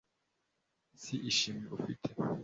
si ishimwe ufite